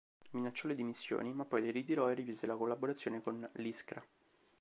Minacciò le dimissioni, ma poi le ritirò e riprese la collaborazione con l"'Iskra".